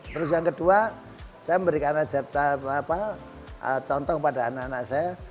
terus yang kedua saya memberikan anajatan apa contoh pada anak anak saya